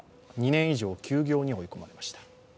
２年以上、休業に追い込まれました。